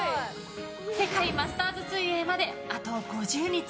世界マスターズ水泳まであと５０日。